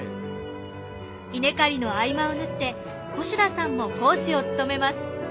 稲刈りの合間を縫って越田さんも講師を務めます。